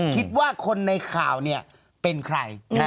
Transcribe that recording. คิดว่าคนในข่าวเนี่ยเป็นใคร